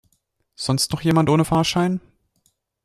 Sonst noch jemand ohne Fahrschein?